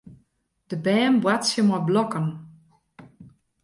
De bern boartsje mei blokken.